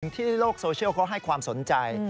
ในโลกโซเชียลเขาให้ความสนใจ